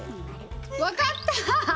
分かった！